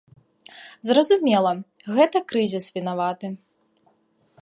Зразумела, гэта крызіс вінаваты.